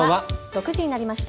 ６時になりました。